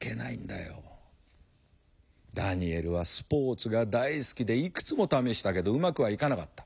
ダニエルはスポーツが大好きでいくつも試したけどうまくはいかなかった。